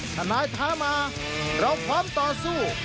ทนายท้ามาเราพร้อมต่อสู้